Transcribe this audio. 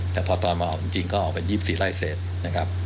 แต่พอตอนมาออกจริงก็ออกเป็น๒๔ไร่เสร็จนะครับ